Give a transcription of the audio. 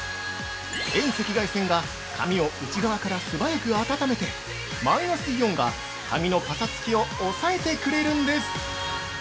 遠赤外線が髪を内側から素早く温めてマイナスイオンが髪のパサつきを抑えてくれるんです。